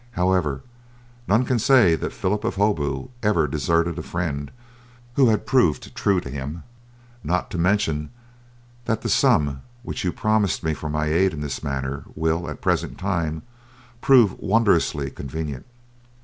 However, none can say that Phillip of Holbeaut ever deserted a friend who had proved true to him, not to mention that the sum which you promised me for my aid in this matter will, at present time, prove wondrously convenient.